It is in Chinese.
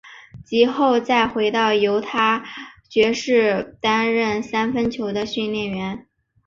及后再回到犹他爵士担任三分球的训练员。